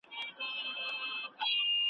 چېرته به د سوي میني زور وینو ,